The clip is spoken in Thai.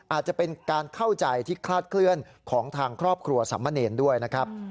อาจจะเป็นการเข้าใจที่คลาดเคลื่อนของทางครอบครัวสามเณรด้วยนะครับ